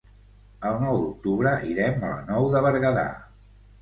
El nou d'octubre irem a la Nou de Berguedà.